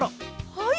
はい！